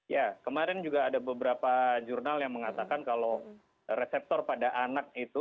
ya kemarin juga ada beberapa jurnal yang mengatakan kalau reseptor pada anak itu